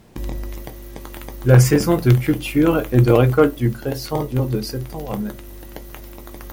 La saison de culture et de récolte du cresson dure de septembre à mai.